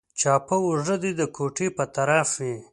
چپه اوږه دې د کوټې په طرف وي.